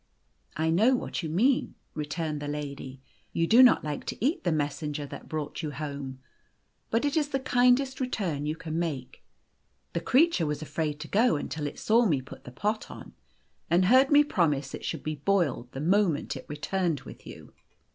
" I know what you mean," returned the lady. " You do not like to eat the messenger that brought vou o */ home. But it is the kindest return you can make. The creature was afraid to go until it saw me put the pot on, and heard me promise it should be boiled the moment it returned with you.